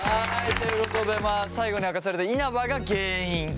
ということでまあ最後に明かされた稲葉が原因。